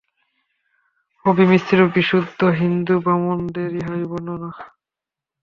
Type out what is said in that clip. অবিমিশ্র বিশুদ্ধ হিন্দু ব্রাহ্মণদের ইহাই বর্ণনা।